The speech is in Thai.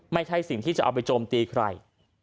ไม่ใช่สิ่งที่จะเอาไปโจมตีใคร